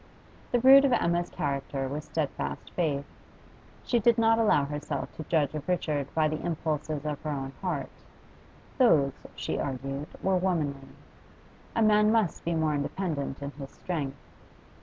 The root of Emma's character was steadfast faith. She did not allow herself to judge of Richard by the impulses of her own heart; those, she argued, were womanly; a man must be more independent in his strength.